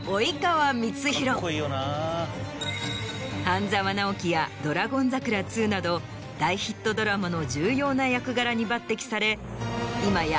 『半沢直樹』や『ドラゴン桜２』など大ヒットドラマの重要な役柄に抜てきされ今や。